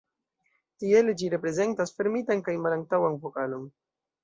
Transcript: Tiele ĝi reprezentas fermitan kaj malantaŭan vokalon.